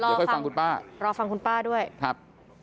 เดี๋ยวค่อยฟังคุณป้ารอฟังคุณป้าด้วยครับ